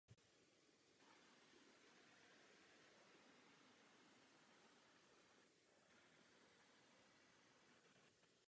Soutěž navazovala na federální druhou nejvyšší soutěž.